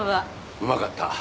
うまかった。